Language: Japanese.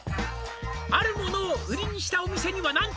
「あるものを売りにしたお店には何と」